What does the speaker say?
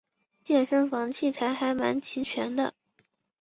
健身房器材还蛮齐全的